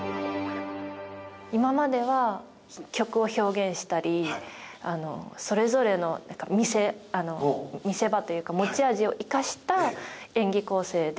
今までは曲を表現したりそれぞれの見せ場というか持ち味を生かした演技構成で。